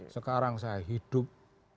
sekarang saya hidup